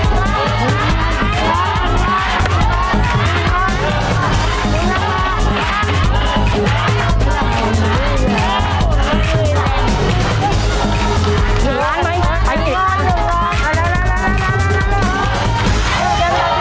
โดดหนี้แหละครับ